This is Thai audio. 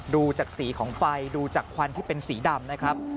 ดูจากสีของไฟดูจากควันที่เป็นสีดำนะครับ